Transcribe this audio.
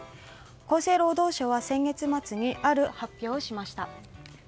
厚生労働省は先月末にある発表をしました。